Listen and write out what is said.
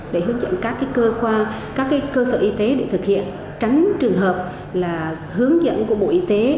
để hướng dẫn các cơ sở y tế để thực hiện tránh trường hợp là hướng dẫn của bộ y tế